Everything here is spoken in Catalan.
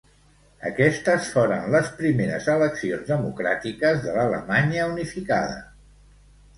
Aquestes foren les primeres eleccions democràtiques de l'Alemanya unificada.